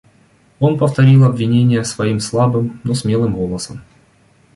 Он повторил обвинения свои слабым, но смелым голосом.